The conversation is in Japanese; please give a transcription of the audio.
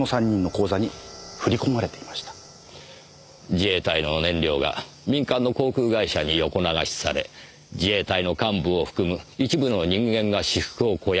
自衛隊の燃料が民間の航空会社に横流しされ自衛隊の幹部を含む一部の人間が私腹を肥やしていた。